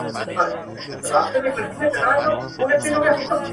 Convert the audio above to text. o هر څوک يې د خپلې پوهې له مخې تفسيروي,